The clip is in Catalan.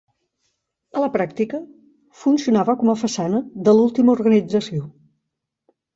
A la pràctica, funcionava com a façana de l'última organització.